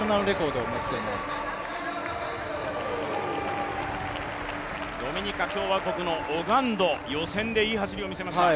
ドミニカ共和国のオガンド、予選でいい走りを見せました。